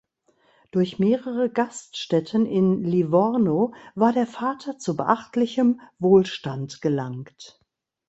Durch mehrere Gaststätten in Livorno war der Vater zu beachtlichem Wohlstand gelangt.